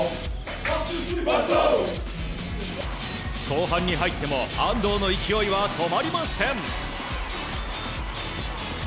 後半に入っても安藤の勢いは止まりません。